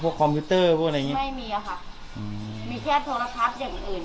คอมพิวเตอร์พวกอะไรอย่างเงี้ไม่มีอ่ะค่ะอืมมีแค่โทรทัศน์อย่างอื่น